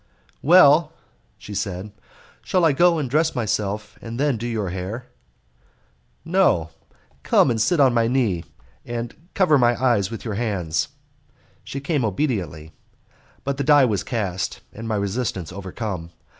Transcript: "Well," she said, "shall I go and dress myself and then do your hair?" "No, come and sit on my knee, and cover my eyes with your hands." She came obediently, but the die was cast, and my resistance overcome.